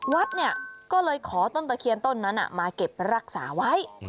วัดเนี่ยก็เลยขอต้นตะเคียนต้นนั้นมาเก็บรักษาไว้